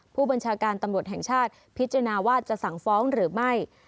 ผู้บัญชาการตำรวจแห่งชาติพิจารณาว่าจะสั่งฟ้องหรือไม่